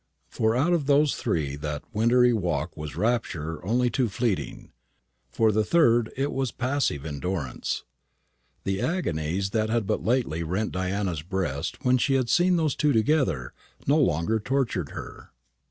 For two out of those three that wintry walk was rapture only too fleeting. For the third it was passive endurance. The agonies that had but lately rent Diana's breast when she had seen those two together no longer tortured her.